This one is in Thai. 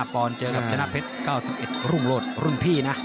๑๒๕ปองเจอก็รับจนระเภท๙๑รุ่นพี่นะ